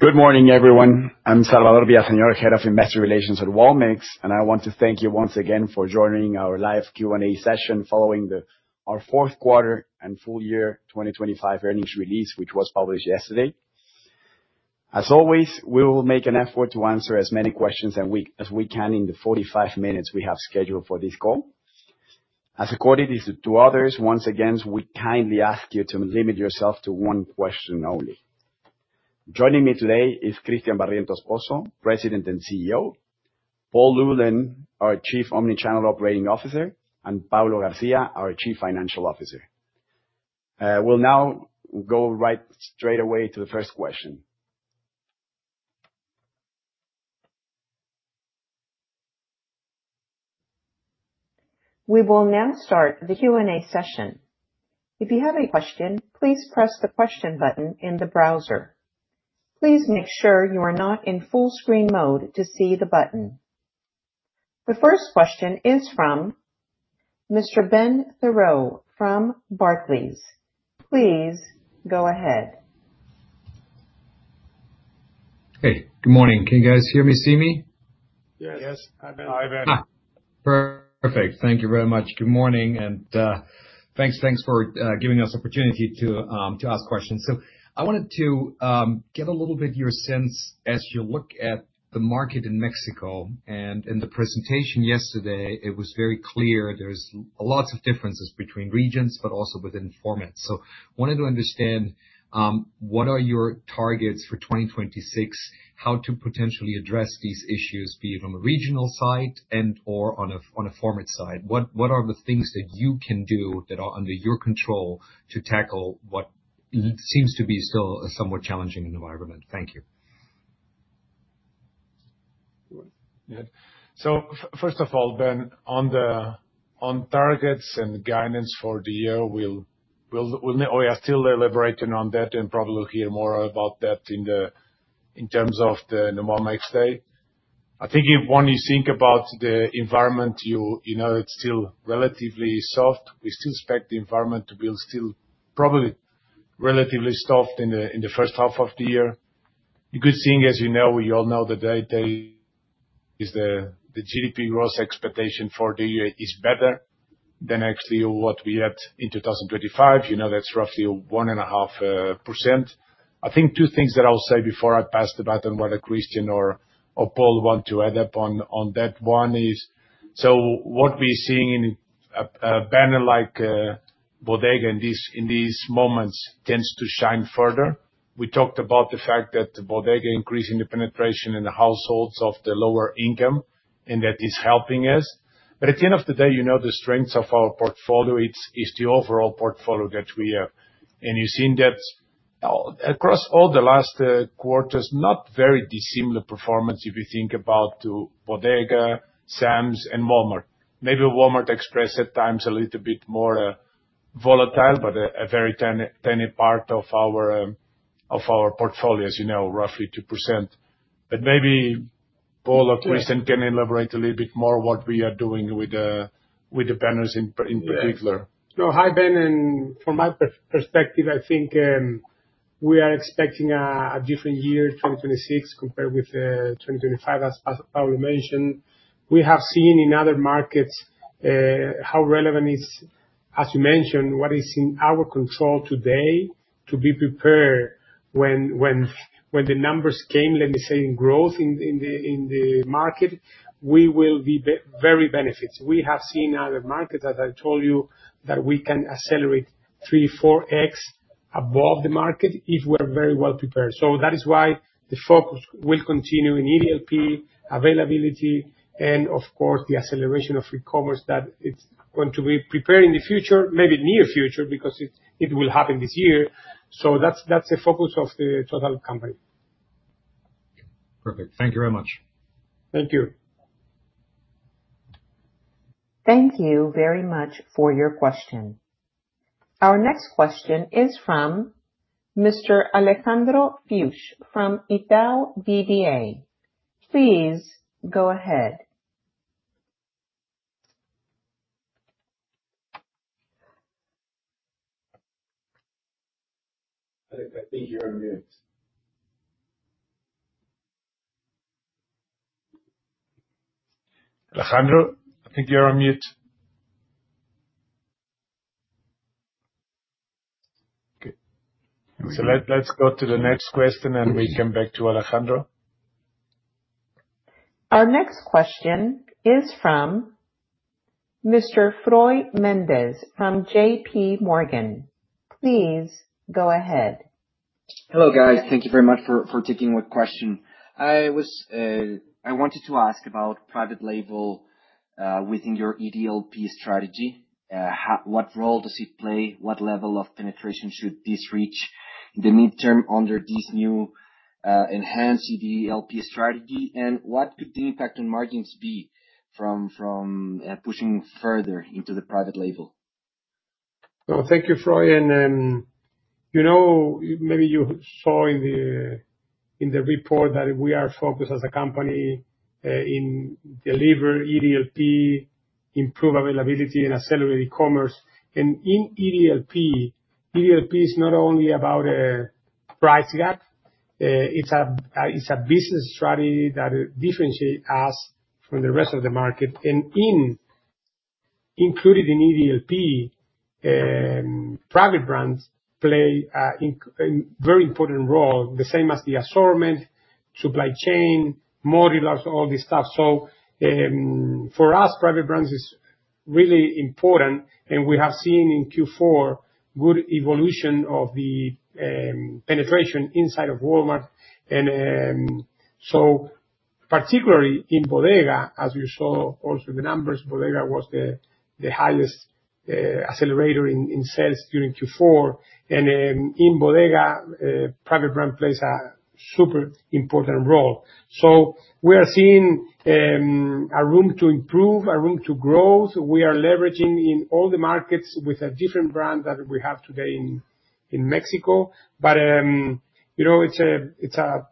Good morning, everyone. I'm Salvador Villaseñor, Head of Investor Relations at Walmex, and I want to thank you once again for joining our live Q&A session following our fourth quarter and full year 2025 earnings release, which was published yesterday. As always, we will make an effort to answer as many questions as we, as we can in the 45 minutes we have scheduled for this call. As according to others, once again, we kindly ask you to limit yourself to one question only. Joining me today is Cristian Barrientos Pozo, President and CEO, Paul LeCain, our Chief Omnichannel Operating Officer, and Paulo Garcia, our Chief Financial Officer. We'll now go right straight away to the first question. We will now start the Q&A session. If you have any question, please press the Question button in the browser. Please make sure you are not in full screen mode to see the button. The first question is from Mr. Benjamin Theurer from Barclays. Please go ahead. Hey, good morning. Can you guys hear me, see me? Yes. Yes, hi, Ben. Hi. Perfect. Thank you very much. Good morning, and, thanks, thanks for giving us opportunity to to ask questions. So I wanted to get a little bit your sense as you look at the market in Mexico, and in the presentation yesterday, it was very clear there's lots of differences between regions but also within formats. So wanted to understand what are your targets for 2026, how to potentially address these issues, be it on a regional side and/or on a, on a format side? What are the things that you can do that are under your control to tackle what seems to be still a somewhat challenging environment? Thank you. Yeah. So first of all, Ben, on targets and guidance for the year, we'll, we are still elaborating on that and probably hear more about that in terms of the Walmex day. I think when you think about the environment, you know, it's still relatively soft. We still expect the environment to be still probably relatively soft in the first half of the year. A good thing, as you know, we all know the day is the GDP growth expectation for the year is better than actually what we had in 2025. You know, that's roughly 1.5%. I think two things that I'll say before I pass the baton, whether Cristian or Paul want to add up on that. One is, so what we're seeing in a banner like Bodega in these moments tends to shine further. We talked about the fact that Bodega increasing the penetration in the households of the lower income, and that is helping us. But at the end of the day, you know, the strengths of our portfolio is the overall portfolio that we have. And you've seen that across all the last quarters, not very dissimilar performance, if you think about Bodega, Sam's and Walmart. Maybe Walmart Express at times a little bit more volatile, but a very tiny part of our portfolio, as you know, roughly 2%. But maybe Paul or Cristian- Yeah. Can you elaborate a little bit more on what we are doing with the banners in particular? Yes. So hi, Ben, and from my perspective, I think, we are expecting a different year, 2026, compared with 2025, as Paulo mentioned. We have seen in other markets, how relevant is, as you mentioned, what is in our control today to be prepared when the numbers came, let me say, in growth in the market, we will be very benefited. We have seen other markets, as I told you, that we can accelerate 3-4x above the market if we're very well prepared. So that is why the focus will continue in EDLP, availability and of course, the acceleration of e-commerce, that it's going to be prepared in the future, maybe near future, because it will happen this year. So that's the focus of the total company. Perfect. Thank you very much. Thank you. Thank you very much for your question. Our next question is from Mr. Alejandro Fuchs from Itaú BBA. Please go ahead. I think, I think you're on mute. Alejandro, I think you're on mute. Okay. So let's go to the next question, and we come back to Alejandro. Our next question is from Mr. Froylan Mendez from JPMorgan. Please go ahead. Hello, guys. Thank you very much for taking my question. I wanted to ask about private label within your EDLP strategy. What role does it play? What level of penetration should this reach in the midterm under this new enhanced EDLP strategy? And what could the impact on margins be from pushing further into the private label? Well, thank you, Froy. And, you know, maybe you saw in the report that we are focused as a company in deliver EDLP, improve availability and accelerate e-commerce. And in EDLP, EDLP is not only about a price gap, it's a business strategy that differentiate us from the rest of the market. And included in EDLP, private brands play a very important role, the same as the assortment, supply chain, modules, all this stuff. So, for us, private brands is really important, and we have seen in Q4 good evolution of the penetration inside of Walmart. And, so particularly in Bodega, as you saw also the numbers, Bodega was the highest accelerator in sales during Q4. And, in Bodega, private brand plays a super important role. So we are seeing a room to improve, a room to grow. We are leveraging in all the markets with a different brand that we have today in, in Mexico. But you know, it's a, it's a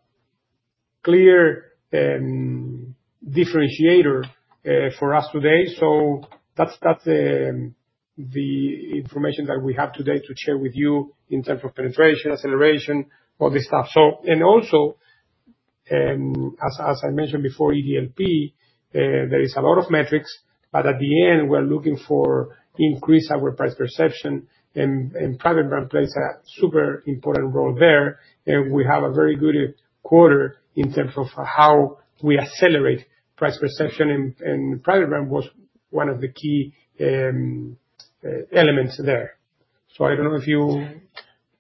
clear differentiator for us today. So that's, that's the information that we have today to share with you in terms of penetration, acceleration, all this stuff. So... And also, as, as I mentioned before, EDLP, there is a lot of metrics, but at the end, we're looking for increase our price perception, and, and private brand plays a super important role there. And we have a very good quarter in terms of how we accelerate price perception, and, and private brand was one of the key elements there. So I don't know if you-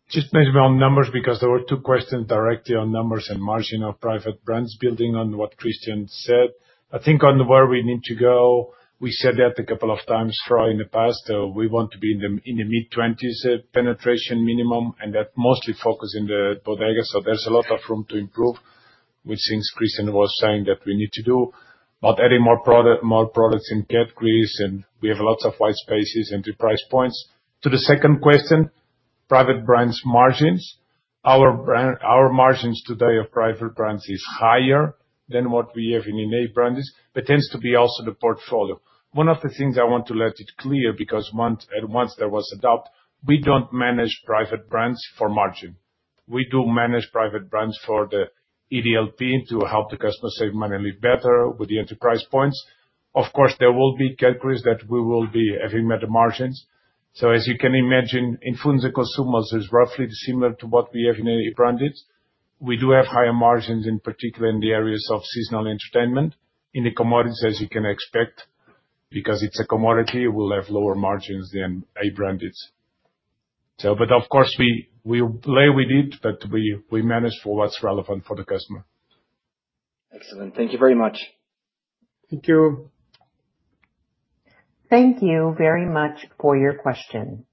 Just maybe on numbers, because there were two questions directly on numbers and margin of private brands, building on what Christian said. I think on where we need to go, we said that a couple of times throughout in the past. We want to be in the mid-20s penetration minimum, and that mostly focus in the Bodega. So there's a lot of room to improve, which things Christian was saying that we need to do. But adding more product, more products in categories, and we have lots of white spaces into price points. To the second question, private brands margins. Our brand—Our margins today of private brands is higher than what we have in A brands, but tends to be also the portfolio. One of the things I want to make it clear, because once there was a doubt, we don't manage private brands for margin. We do manage private brands for the EDLP to help the customer save money and live better with the enterprise points. Of course, there will be categories that we will be having better margins. So as you can imagine, in food and consumables is roughly similar to what we have in A brands. We do have higher margins, in particular in the areas of seasonal entertainment. In the commodities, as you can expect, because it's a commodity, we'll have lower margins than A brands. So but of course, we, we play with it, but we, we manage for what's relevant for the customer. Excellent. Thank you very much. Thank you. Thank you very much for your question.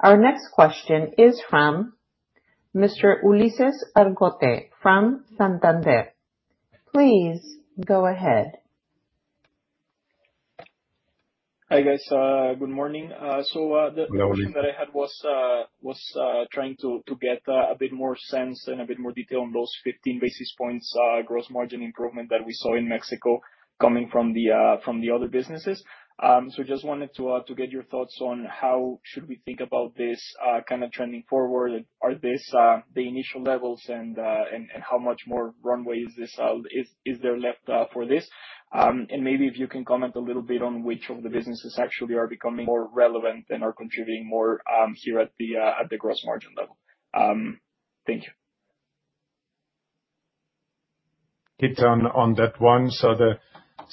Our next question is from Mr. Ulises Argote from Santander. Please go ahead. Hi, guys, good morning. Good morning... question that I had was trying to get a bit more sense and a bit more detail on those 15 basis points gross margin improvement that we saw in Mexico coming from the other businesses. So just wanted to get your thoughts on how should we think about this kind of trending forward. Are this the initial levels and how much more runway is there left for this? And maybe if you can comment a little bit on which of the businesses actually are becoming more relevant and are contributing more here at the gross margin level. Thank you. Hit on that one. So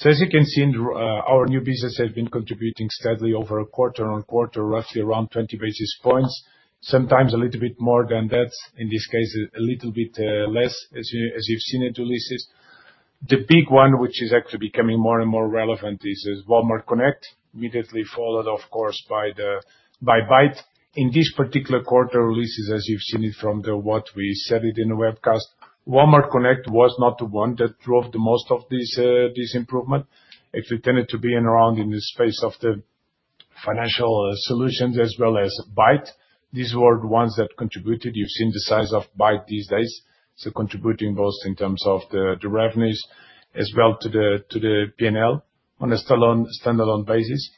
as you can see, our new business has been contributing steadily over a quarter-on-quarter, roughly around 20 basis points, sometimes a little bit more than that, in this case, a little bit less, as you've seen it, Ulises. The big one, which is actually becoming more and more relevant, is Walmart Connect, immediately followed, of course, by BAIT. In this particular quarter, Ulises, as you've seen it from what we said in the webcast, Walmart Connect was not the one that drove the most of this improvement. Actually, tended to be in around in the space of the financial solutions as well as BAIT. These were the ones that contributed. You've seen the size of BAIT these days, so contributing both in terms of the revenues as well to the PNL on a standalone basis.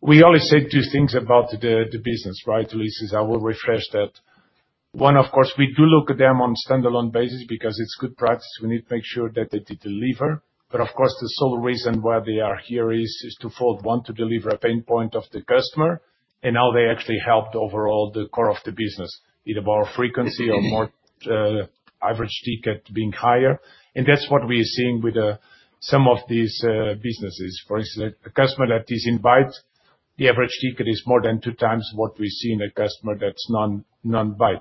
We always say two things about the business, right, Ulises? I will refresh that. One, of course, we do look at them on standalone basis because it's good practice. We need to make sure that they deliver. But of course, the sole reason why they are here is to fold, one, to deliver a pain point of the customer, and now they actually helped overall the core of the business, either more frequency or more average ticket being higher. And that's what we are seeing with some of these businesses. For instance, a customer that is in BAIT, the average ticket is more than two times what we see in a customer that's non-BAIT.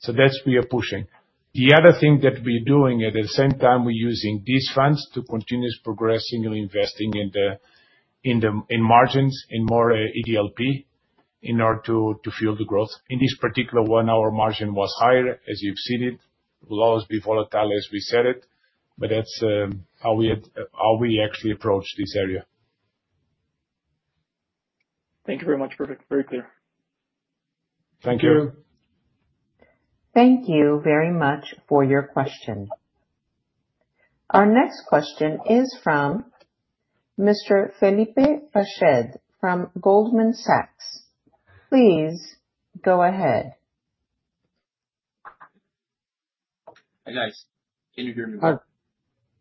So that's what we are pushing. The other thing that we're doing, at the same time, we're using these funds to continue progressing and investing in the margins, in more EDLP, in order to fuel the growth. In this particular one, our margin was higher, as you've seen it. Though, as we said, it can be volatile, but that's how we actually approach this area. Thank you very much. Perfect. Very clear. Thank you.... Thank you very much for your question. Our next question is from Mr. Felipe Rached from Goldman Sachs. Please go ahead. Hi, guys. Can you hear me? Hi.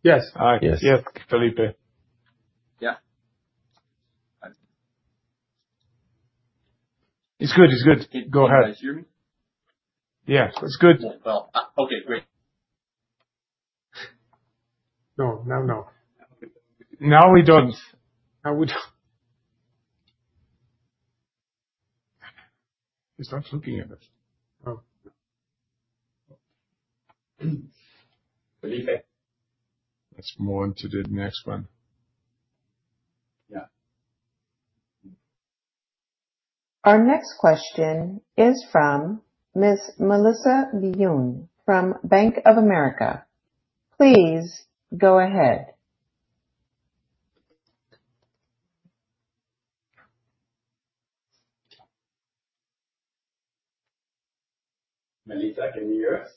Yes. Yes. Hi. Yes, Felipe. Yeah? It's good. It's good. Go ahead. Can you guys hear me? Yes, it's good. Well, okay, great. No, now, no. Now we don't. Now we don't. He's not looking at us. Oh. Felipe? Let's move on to the next one. Yeah. Our next question is from Ms. Melissa Nguyen from Bank of America. Please go ahead. Melissa, can you hear us?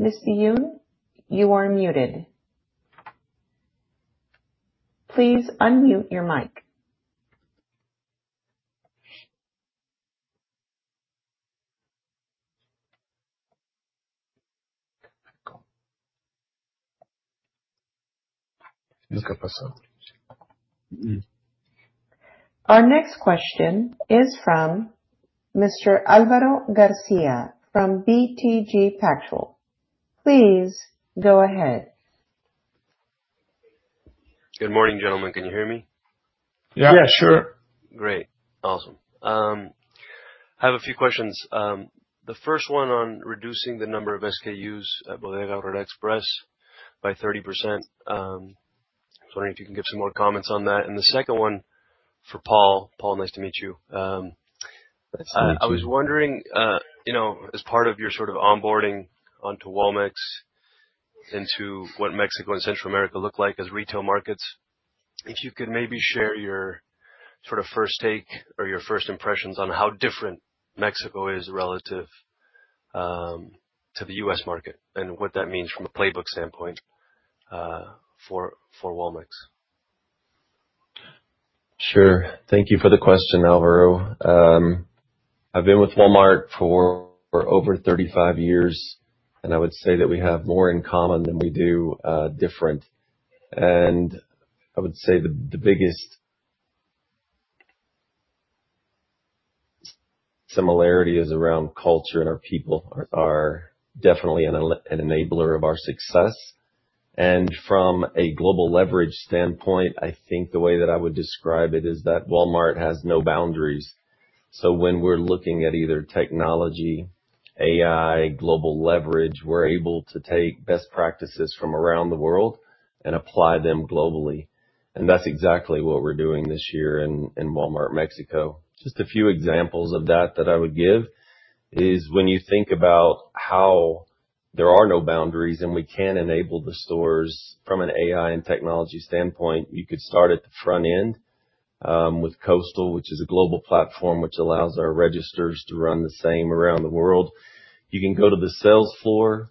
Ms. Yun, you are muted. Please unmute your mic. Look up ourselves. Our next question is from Mr. Álvaro García from BTG Pactual. Please go ahead. Good morning, gentlemen. Can you hear me? Yeah. Yeah, sure. Great. Awesome. I have a few questions. The first one on reducing the number of SKUs at Bodega Aurrerá Express by 30%. I was wondering if you can give some more comments on that. And the second one for Paul. Paul, nice to meet you. Nice to meet you. I was wondering, you know, as part of your sort of onboarding onto Walmex, into what Mexico and Central America look like as retail markets, if you could maybe share your sort of first take or your first impressions on how different Mexico is relative to the U.S. market, and what that means from a playbook standpoint, for Walmex? Sure. Thank you for the question, Alvaro. I've been with Walmart for over 35 years, and I would say that we have more in common than we do different. And I would say the biggest similarity is around culture, and our people are definitely an enabler of our success. And from a global leverage standpoint, I think the way that I would describe it is that Walmart has no boundaries. So when we're looking at either technology, AI, global leverage, we're able to take best practices from around the world and apply them globally. And that's exactly what we're doing this year in Walmart Mexico. Just a few examples of that, that I would give is when you think about how there are no boundaries, and we can enable the stores from an AI and technology standpoint, you could start at the front end, with Coastal, which is a global platform which allows our registers to run the same around the world. You can go to the sales floor,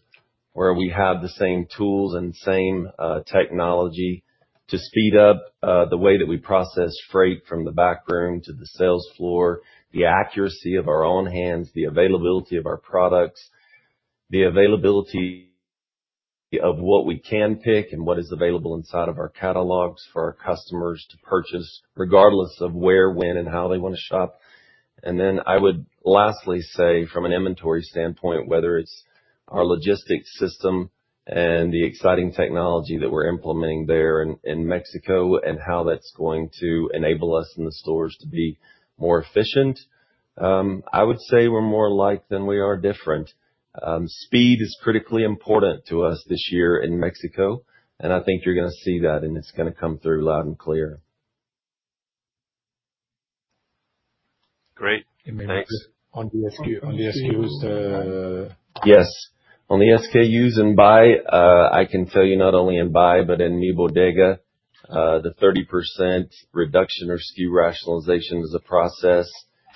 where we have the same tools and same, technology to speed up, the way that we process freight from the back room to the sales floor, the accuracy of our own hands, the availability of our products, the availability of what we can pick, and what is available inside of our catalogs for our customers to purchase, regardless of where, when, and how they want to shop. And then I would lastly say, from an inventory standpoint, whether it's our logistics system and the exciting technology that we're implementing there in Mexico, and how that's going to enable us in the stores to get more efficient. I would say we're more alike than we are different. Speed is critically important to us this year in Mexico, and I think you're going to see that, and it's going to come through loud and clear. Great. Thanks. On the SKU, on the SKUs. Yes, on the SKUs and Bait, I can tell you not only in Bait, but in Mi Bodega, the 30% reduction or SKU rationalization is a process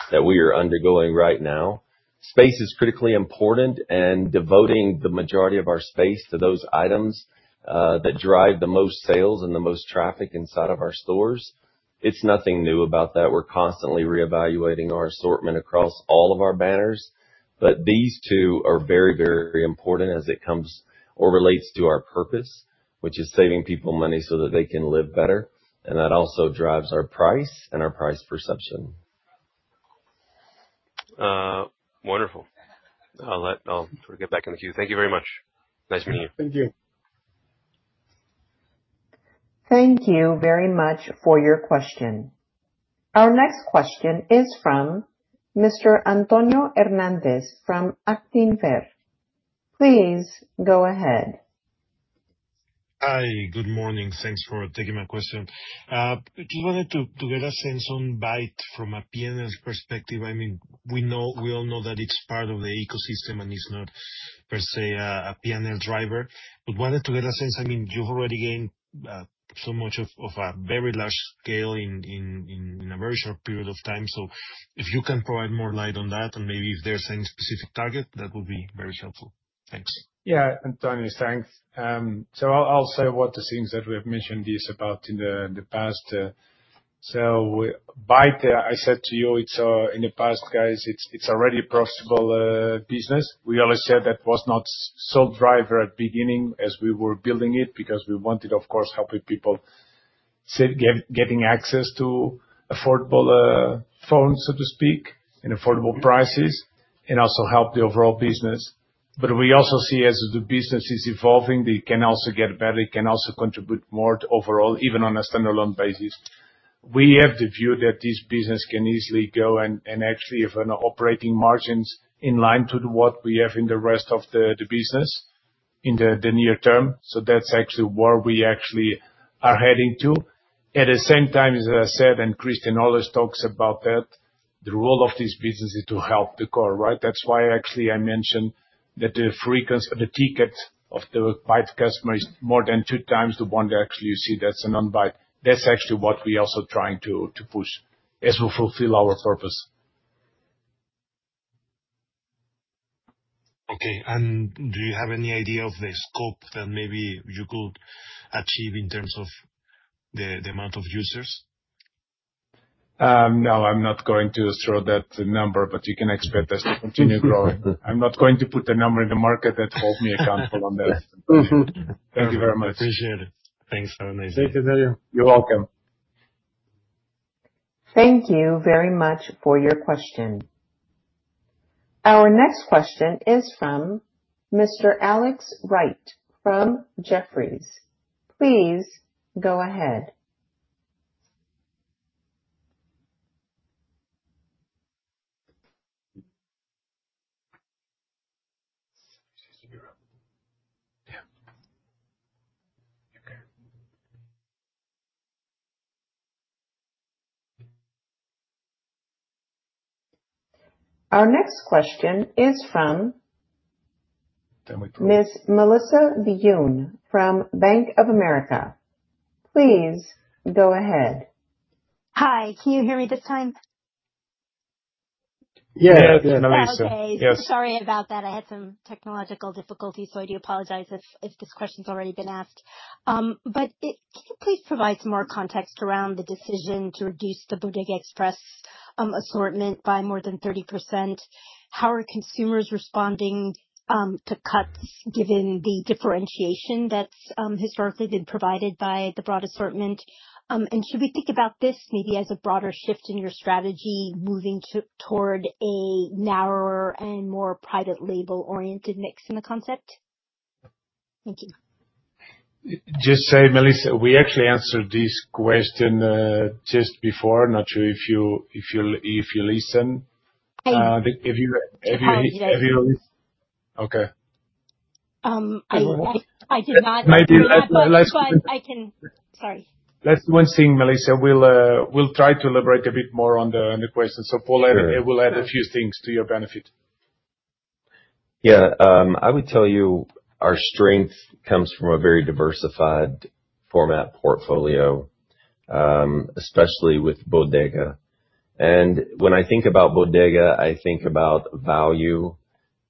that we are undergoing right now. Space is critically important, and devoting the majority of our space to those items that drive the most sales and the most traffic inside of our stores, it's nothing new about that. We're constantly reevaluating our assortment across all of our banners. But these two are very, very important as it comes or relates to our purpose, which is saving people money so that they can live better. And that also drives our price and our price perception. Wonderful. I'll sort of get back in the queue. Thank you very much. Nice meeting you. Thank you. Thank you very much for your question. Our next question is from Mr. Antonio Hernandez from Actinver. Please go ahead. Hi, good morning. Thanks for taking my question. Do you wanted to get a sense on Bait from a PNL perspective? I mean, we know, we all know that it's part of the ecosystem, and it's not per se a PNL driver, but wanted to get a sense. I mean, you've already gained so much of a very large scale in a very short period of time. So if you can provide more light on that, and maybe if there's any specific target, that would be very helpful. Thanks. Yeah, Antonio, thanks. So I'll say what the things that we have mentioned this about in the past. So BAIT, I said to you, it's in the past, guys, it's already a profitable business. We always said that was not so driver at beginning as we were building it, because we wanted, of course, helping people getting access to affordable phones, so to speak, and affordable prices, and also help the overall business. But we also see as the business is evolving, it can also get better, it can also contribute more to overall, even on a standalone basis. We have the view that this business can easily go and actually have an operating margins in line to what we have in the rest of the business in the near term. So that's actually where we actually are heading to. At the same time, as I said, and Cristian always talks about that, the role of this business is to help the core, right? That's why actually I mentioned that the frequency, the ticket of the BAIT customer is more than 2 times the one that actually you see that's a non-BAIT. That's actually what we're also trying to, to push as we fulfill our purpose. Okay. And do you have any idea of the scope that maybe you could achieve in terms of the amount of users? No, I'm not going to throw that number, but you can expect us to continue growing. I'm not going to put a number in the market that hold me accountable on that. Mm-hmm. Thank you very much. Appreciate it. Thanks so much. Thank you, Antonio. You're welcome. Thank you very much for your question. Our next question is from Mr. Alex Wright from Jefferies. Please go ahead. Our next question is from- Can we proceed? -Ms. Melissa Nguyen from Bank of America. Please go ahead. Hi, can you hear me this time? Yeah. Yeah, Melissa. Okay. Yes. Sorry about that. I had some technological difficulties, so I do apologize if this question's already been asked. But it—can you please provide some more context around the decision to reduce the Bodega Express assortment by more than 30%? How are consumers responding to cuts, given the differentiation that's historically been provided by the broad assortment? And should we think about this maybe as a broader shift in your strategy, moving toward a narrower and more private label-oriented mix in the concept? Thank you. Just say, Melissa, we actually answered this question just before. Not sure if you listened. I- If you-... Sorry. Okay. I did not. But I can... Sorry. Let's do one thing, Melissa. We'll, we'll try to elaborate a bit more on the, on the question. So Paul will add, will add a few things to your benefit. Yeah. I would tell you, our strength comes from a very diversified format portfolio, especially with Bodega. And when I think about Bodega, I think about value,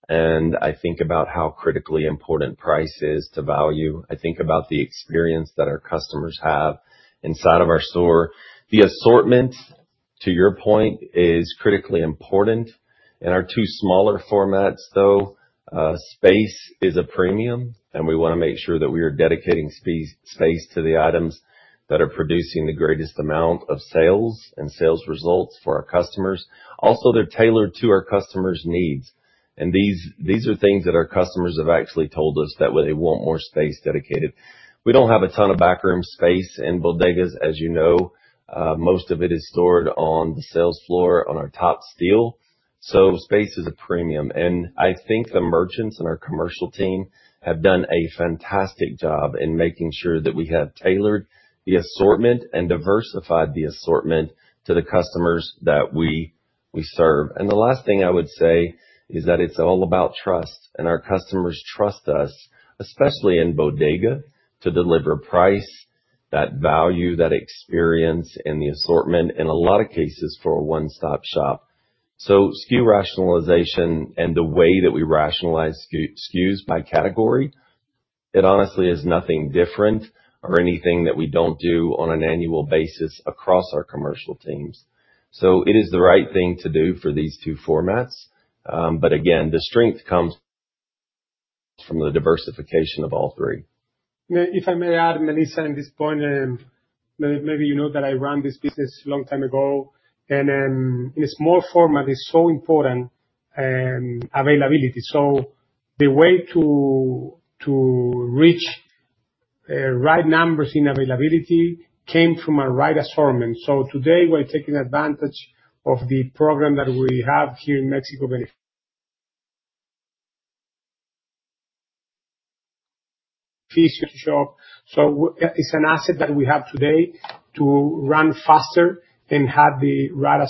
and I think about how critically important price is to value. I think about the experience that our customers have inside of our store. The assortment, to your point, is critically important. In our two smaller formats, though, space is a premium, and we want to make sure that we are dedicating space, space to the items that are producing the greatest amount of sales and sales results for our customers. Also, they're tailored to our customers' needs. And these, these are things that our customers have actually told us, that they want more space dedicated. We don't have a ton of back room space in Bodegas, as you know. Most of it is stored on the sales floor on our top steel. So space is a premium, and I think the merchants and our commercial team have done a fantastic job in making sure that we have tailored the assortment and diversified the assortment to the customers that we, we serve. And the last thing I would say is that it's all about trust, and our customers trust us, especially in Bodega, to deliver price, that value, that experience and the assortment, in a lot of cases, for a one-stop shop. So SKU rationalization and the way that we rationalize SKU, SKUs by category, it honestly is nothing different or anything that we don't do on an annual basis across our commercial teams. So it is the right thing to do for these two formats. But again, the strength comes from the diversification of all three. If I may add, Melissa, at this point, maybe you know that I ran this business a long time ago, and, in a small format, it's so important, availability. So the way to reach right numbers in availability came from a right assortment. So today, we're taking advantage of the program that we have here in Mexico. ... so it's an asset that we have today to run faster and have the right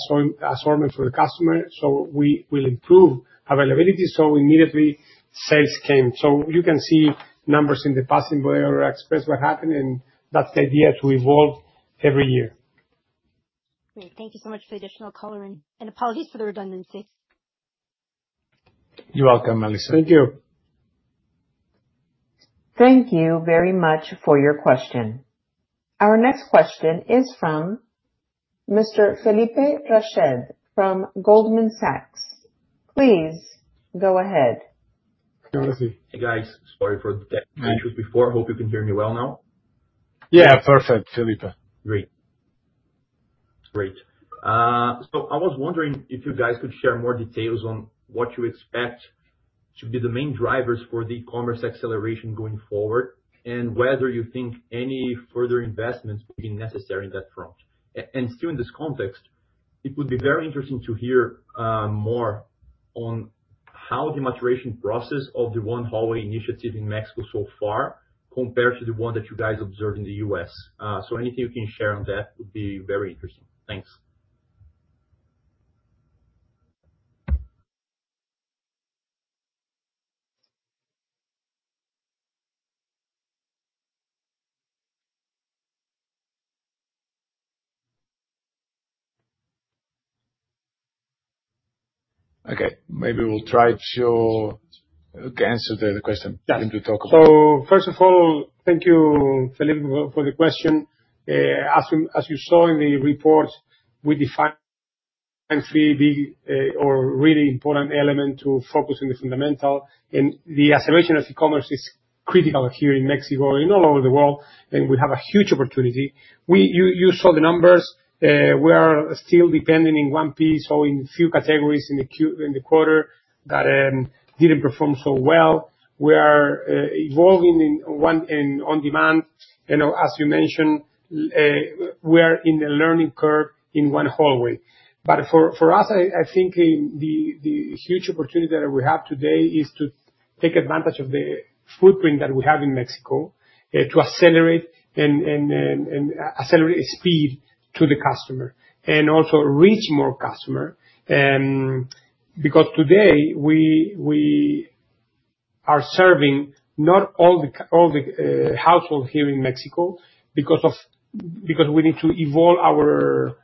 assortment for the customer, so we will improve availability. Immediately, sales came. You can see numbers in the past and where Express what happened, and that's the idea, to evolve every year. Great. Thank you so much for the additional coloring, and apologies for the redundancies. You're welcome, Melissa. Thank you. Thank you very much for your question. Our next question is from Mr. Felipe Rached from Goldman Sachs. Please go ahead. Good to see you. Hey, guys. Sorry for the technical issues before. Hope you can hear me well now. Yeah, perfect, Felipe. Great. Great. So I was wondering if you guys could share more details on what you expect to be the main drivers for the e-commerce acceleration going forward, and whether you think any further investments will be necessary in that front. And still in this context, it would be very interesting to hear more on how the maturation process of the One Hallway initiative in Mexico so far, compared to the one that you guys observed in the U.S. So anything you can share on that would be very interesting. Thanks. Okay. Maybe we'll try to answer the question. Yeah. You talk about it. So first of all, thank you, Felipe, for the question. As you saw in the report, we defined three big, or really important element to focus on the fundamental, and the acceleration of e-commerce is critical here in Mexico and all over the world, and we have a huge opportunity. You saw the numbers. We are still dependent in 1P or in a few categories in the quarter, that didn't perform so well. We are evolving in one, in On Demand. You know, as you mentioned, we are in a learning curve in One Hallway. But for us, I think the huge opportunity that we have today is to take advantage of the footprint that we have in Mexico to accelerate and accelerate speed to the customer, and also reach more customer. Because today we are serving not all the households here in Mexico because we need to evolve our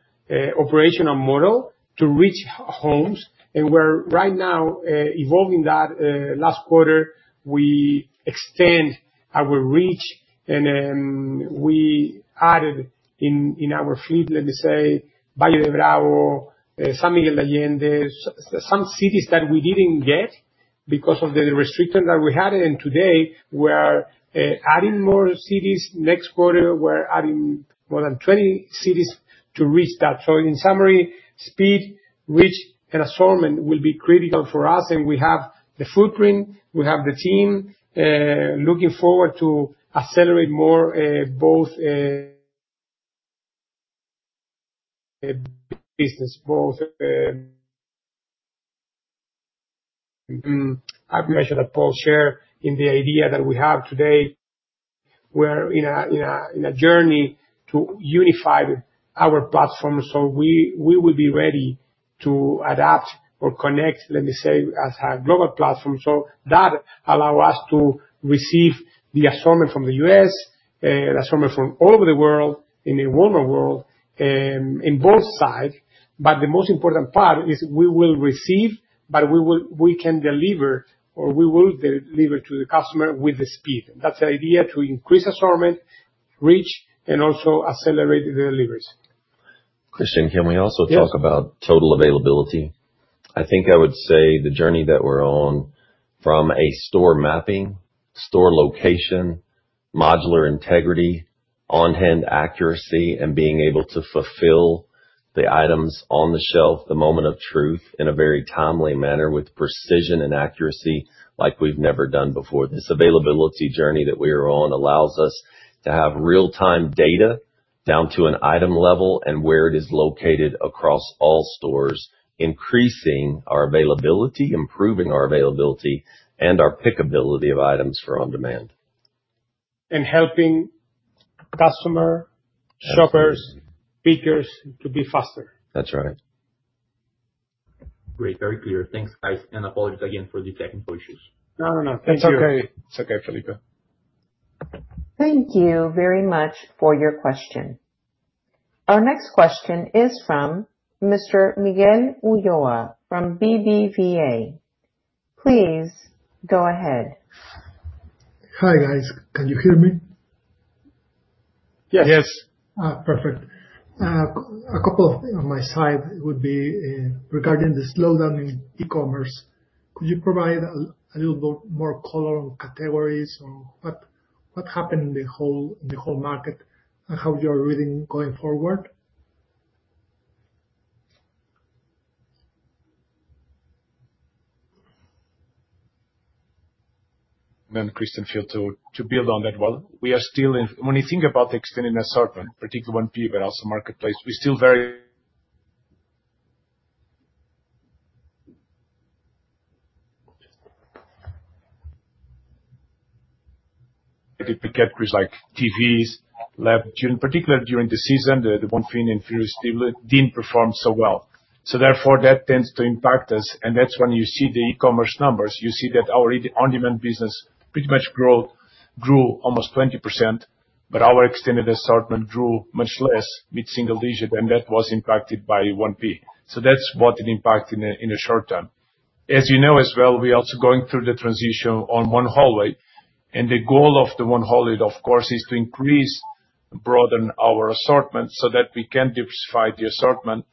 operational model to reach homes. And we're right now evolving that. Last quarter, we extended our reach, and we added in our fleet, let me say, Valle de Bravo, San Miguel de Allende, some cities that we didn't get because of the restrictions that we had, and today we are adding more cities. Next quarter, we're adding more than 20 cities to reach that. So in summary, speed, reach, and assortment will be critical for us, and we have the footprint, we have the team. Looking forward to accelerate more both business both. I've mentioned that Paulo Garcia shares in the idea that we have today. We're in a journey to unify our platform, so we will be ready to adapt or connect, let me say, as a global platform. So that allow us to receive the assortment from the U.S., assortment from all over the world, in the Walmart world, in both sides. But the most important part is we will receive, but we can deliver, or we will deliver to the customer with the speed. That's the idea, to increase assortment, reach, and also accelerate the deliveries. Cristian, can we also- Yes. Talk about total availability? I think I would say the journey that we're on from a store mapping, store location, modular integrity, on-hand accuracy, and being able to fulfill the items on the shelf, the moment of truth, in a very timely manner with precision and accuracy like we've never done before. This availability journey that we are on allows us to have real-time data down to an item level and where it is located across all stores, increasing our availability, improving our availability, and our pickability of items for on demand. Helping customer- Absolutely. shoppers, pickers, to be faster. That's right. Great. Very clear. Thanks, guys, and apologies again for the technical issues. No, no, no. It's okay. It's okay, Felipe. Thank you very much for your question. Our next question is from Mr. Miguel Ulloa from BBVA. Please go ahead. Hi, guys. Can you hear me? Yes. Yes. Perfect. A couple on my side would be regarding the slowdown in e-commerce. Could you provide a little bit more color on categories or what happened in the whole market, and how you are reading going forward? Christian, feel free to build on that one. We are still in... When you think about extending assortment, particularly when 1P, but also marketplace, we're still very... The categories like TVs, laptops, during, particularly during the season, the one thing and furious didn't perform so well. Therefore, that tends to impact us, and that's when you see the e-commerce numbers. You see that our on-demand business pretty much grew almost 20%, but our extended assortment grew much less, mid-single digit, and that was impacted by 1P. That's what it impacted in the short term. As you know as well, we're also going through the transition on One Hallway, and the goal of the One Hallway, of course, is to increase, broaden our assortment so that we can diversify the assortment.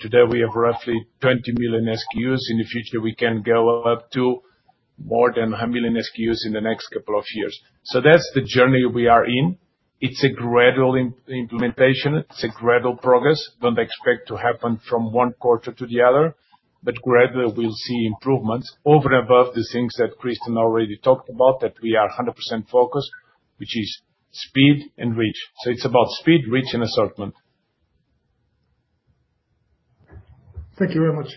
Today, we have roughly 20 million SKUs. In the future, we can go up to more than 100 million SKUs in the next couple of years. So that's the journey we are in. It's a gradual implementation. It's a gradual progress. Don't expect to happen from one quarter to the other, but gradually, we'll see improvements over and above the things that Kristen already talked about, that we are 100% focused, which is speed and reach. So it's about speed, reach, and assortment. Thank you very much.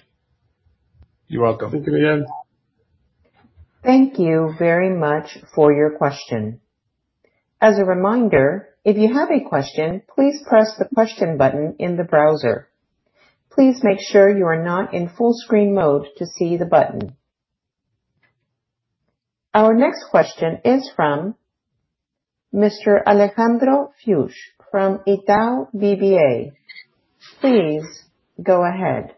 You're welcome. Thank you again. Thank you very much for your question. As a reminder, if you have a question, please press the question button in the browser. Please make sure you are not in full screen mode to see the button. Our next question is from Mr. Alejandro Fuchs from Itaú BBA. Please go ahead.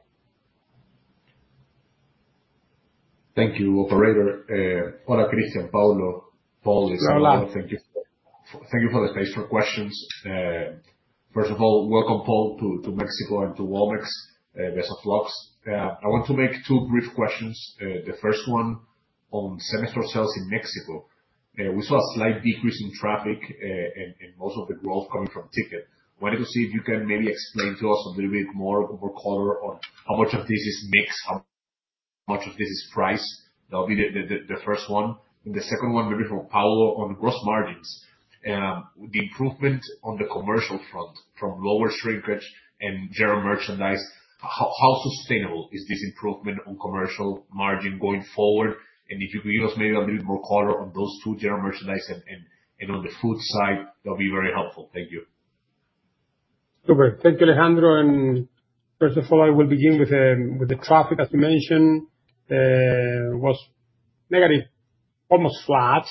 Thank you, operator. Hola, Cristian, Paulo. Paul is- Hola. Thank you. Thank you for the space for questions. First of all, welcome, Paul, to Mexico and to Walmex. Best of lucks. I want to make two brief questions. The first one on same-store sales in Mexico. We saw a slight decrease in traffic, and most of the growth coming from ticket. Wanted to see if you can maybe explain to us a little bit more color on how much of this is mix, how much of this is price? That'll be the first one. The second one, maybe from Paulo, on gross margins. The improvement on the commercial front, from lower shrinkage and general merchandise, how sustainable is this improvement on commercial margin going forward? And if you can give us maybe a little bit more color on those two, general merchandise and on the food side, that'll be very helpful. Thank you. Super. Thank you, Alejandro, and first of all, I will begin with the traffic. As you mentioned, was negative, almost flat,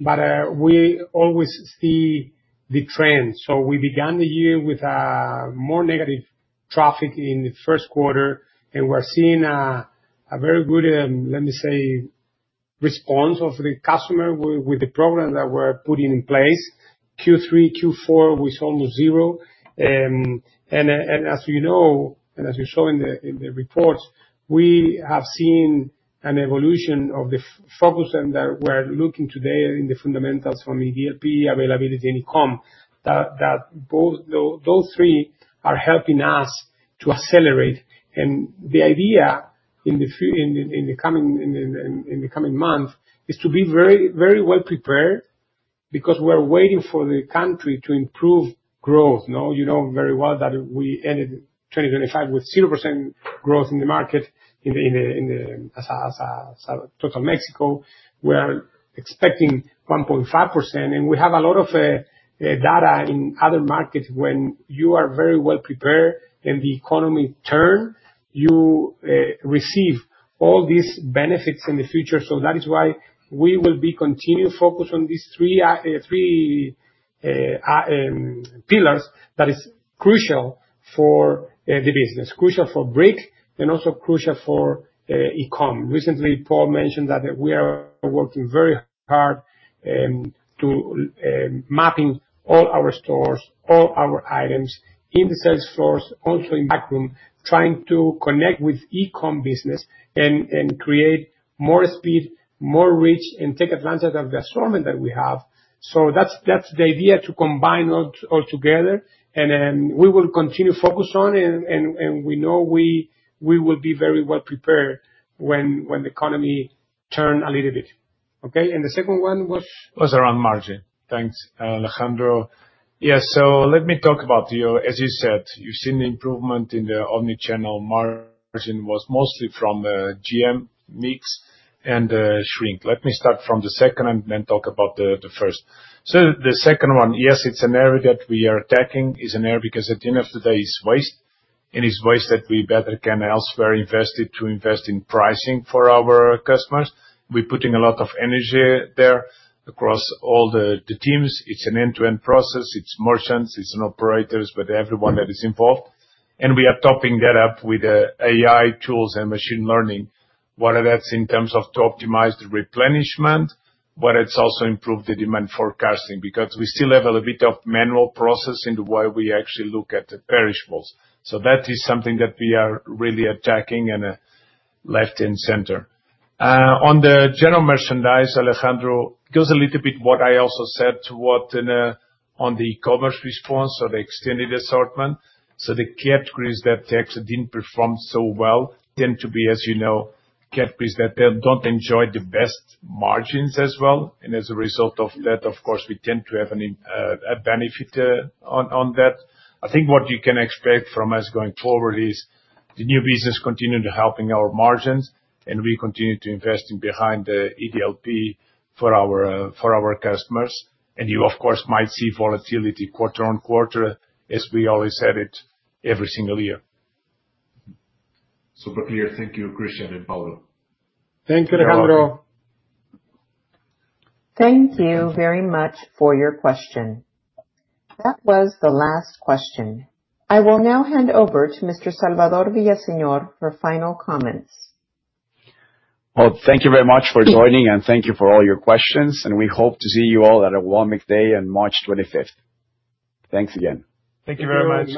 but we always see the trend. So we began the year with more negative traffic in the first quarter, and we're seeing a very good, let me say, response of the customer with the program that we're putting in place. Q3, Q4, we saw almost zero. And as you know, and as you saw in the reports, we have seen an evolution of the focus and that we're looking today in the fundamentals from the DLP, availability, and e-com, that both... Those three are helping us to accelerate. The idea in the coming months is to be very, very well prepared because we're waiting for the country to improve growth. Now, you know very well that we ended 2025 with 0% growth in the market as a total Mexico. We are expecting 1.5%, and we have a lot of data in other markets. When you are very well prepared and the economy turn, you receive all these benefits in the future. So that is why we will be continued focused on these three pillars that is crucial for the business. Crucial for brick and also crucial for e-com. Recently, Paul mentioned that we are working very hard to mapping all our stores, all our items in the sales floor, also in back room, trying to connect with e-com business and create more speed, more reach, and take advantage of the assortment that we have. So that's the idea, to combine all together, and then we will continue to focus on and we know we will be very well prepared when the economy turn a little bit. Okay, and the second one was? Was around margin. Thanks, Alejandro. Yeah, so let me talk about the. As you said, you've seen the improvement in the omni-channel margin was mostly from GM, mix, and shrink. Let me start from the second and then talk about the first. So the second one, yes, it's an area that we are attacking. It's an area because at the end of the day, it's waste, and it's waste that we better can elsewhere invest it, to invest in pricing for our customers. We're putting a lot of energy there across all the teams. It's an end-to-end process. It's merchants, it's operators, but everyone that is involved. And we are topping that up with AI tools and machine learning, whether that's in terms of to optimize the replenishment, but it's also improved the demand forecasting, because we still have a little bit of manual process in the way we actually look at the perishables. So that is something that we are really attacking and left and center. On the general merchandise, Alejandro, goes a little bit what I also said to what, on the e-commerce response, so the extended assortment. So the categories that actually didn't perform so well tend to be, as you know, categories that they don't enjoy the best margins as well. And as a result of that, of course, we tend to have an im- a benefit, on, on that. I think what you can expect from us going forward is the new business continuing to helping our margins, and we continue to invest in behind the EDLP for our, for our customers. And you, of course, might see volatility quarter-over-quarter, as we always had it every single year. Super clear. Thank you, Cristian and Paulo. Thanks, Alejandro. Thank you very much for your question. That was the last question. I will now hand over to Mr. Salvador Villaseñor for final comments. Well, thank you very much for joining, and thank you for all your questions, and we hope to see you all at our Walmex Day on March 25th. Thanks again. Thank you very much.